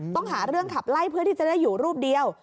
ต้องหาเรื่องขับไล่เพื่อที่จะได้อยู่รูปเดียว